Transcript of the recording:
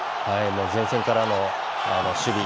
前線からの守備。